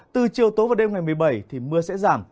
từ chiều tối và đêm ngày một mươi bảy thì mưa sẽ giảm